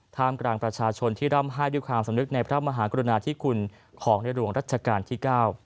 ท่ามกลางประชาชนที่ร่ำไห้ด้วยความสำนึกในพระมหากรุณาธิคุณของในหลวงรัชกาลที่๙